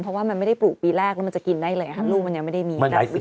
เพราะว่ามันไม่ได้ปลูกปีแรกแล้วมันจะกินได้เลยครับลูกมันยังไม่ได้มี